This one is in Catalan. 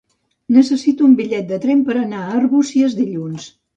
Necessito un bitllet de tren per anar a Arbúcies dilluns.